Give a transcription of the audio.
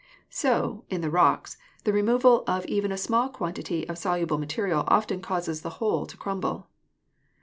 So, in the rocks, the removal of even a small quantity of soluble material often causes the whole to crumble.